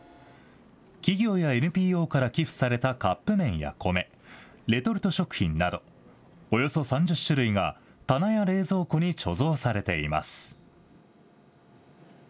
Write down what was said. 企業やＮＰＯから寄付されたカップ麺や米、レトルト食品など、およそ３０種類が棚や冷蔵庫に貯蔵されています。